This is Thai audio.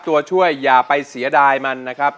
ตัวช่วยอย่าไปเสียดายมันนะครับ